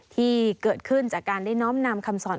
ที่เกิดขึ้นจากการได้น้อมนำคำสอน